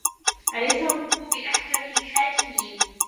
أَلَيسَ اللَّهُ بِأَحكَمِ الحاكِمينَ